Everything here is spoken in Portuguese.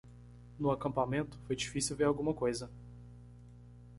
No acampamento? foi difícil ver alguma coisa.